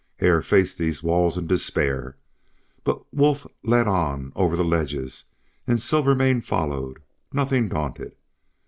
Hare faced these walls in despair. But Wolf led on over the ledges and Silvermane followed, nothing daunted.